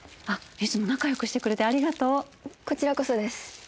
いつも仲良くしてくれてありがとうこちらこそです